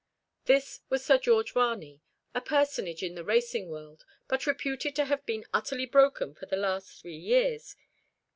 This was Sir George Varney, a personage in the racing world, but reputed to have been utterly broken for the last three years.